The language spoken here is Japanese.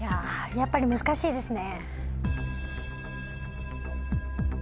やっぱり難しいですね。